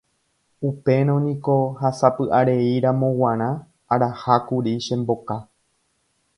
Upérõ niko ha sapy'areíramo g̃uarã arahákuri che mboka.